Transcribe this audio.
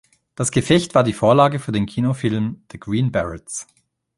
Das Gefecht war die Vorlage für den Kinofilm „The Green Berets“.